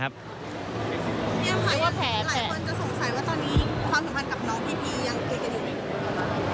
หลายคนจะสงสัยว่าตอนนี้ความสัมพันธ์กับน้องพี่พีย์ยังเกลียดหรือเปล่า